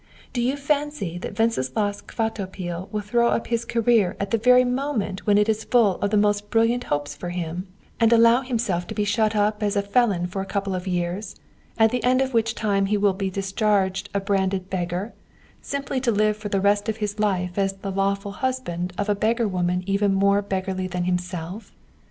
Do you fancy that Wenceslaus Kvatopil will throw up his career at the very moment when it is full of the most brilliant hopes for him, and allow himself to be shut up as a felon for a couple of years, at the end of which time he will be discharged a branded beggar, simply to live for the rest of his life as the lawful husband of a beggar woman even more beggarly than himself?